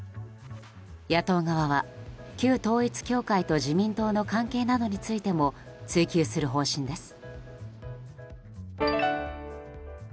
野党側は旧統一教会と自民党の関係などについても追及する方針です。